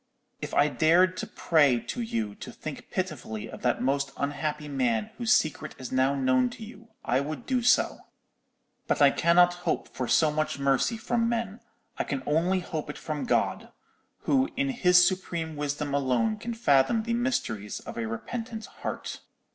If I dared to pray to you to think pitifully of that most unhappy man whose secret is now known to you, I would do so; but I cannot hope for so much mercy from men: I can only hope it from God, who in His supreme wisdom alone can fathom the mysteries of a repentant heart.